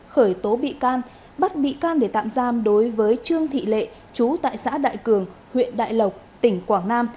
khởi tố bị can bắt bị can để tạm giam đối với trương thị lệ chú tại xã đại cường huyện đại lộc tỉnh quảng nam